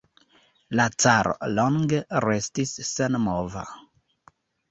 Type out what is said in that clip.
La caro longe restis senmova.